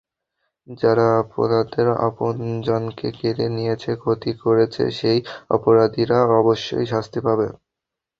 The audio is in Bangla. যারা আপনাদের আপনজনকে কেড়ে নিয়েছে, ক্ষতি করেছে, সেই অপরাধীরা অবশ্যই শাস্তি পাবে।